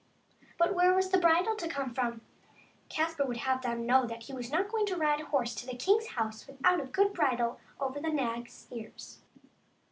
But where was the bridle to come from ? Caspar would have them know that he was not going to ride a horse to the king's house without a good bridle over the nag's ears.